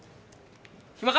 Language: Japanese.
暇か？